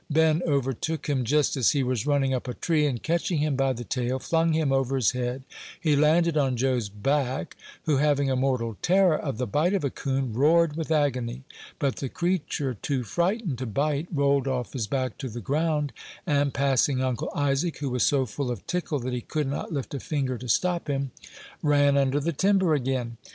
Ben overtook him just as he was running up a tree, and, catching him by the tail, flung him over his head: he landed on Joe's back, who, having a mortal terror of the bite of a coon, roared with agony; but the creature, too frightened to bite, rolled off his back to the ground, and passing Uncle Isaac, who was so full of tickle that he could not lift a finger to stop him, ran under the timber again.